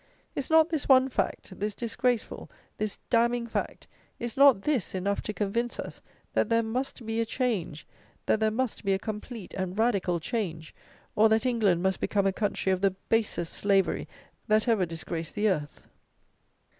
Is not this one fact; this disgraceful, this damning fact; is not this enough to convince us, that there must be a change; that there must be a complete and radical change; or, that England must become a country of the basest slavery that ever disgraced the earth?